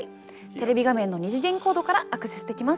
テレビ画面の二次元コードからアクセスできます。